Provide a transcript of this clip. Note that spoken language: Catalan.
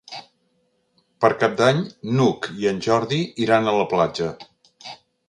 Per Cap d'Any n'Hug i en Jordi iran a la platja.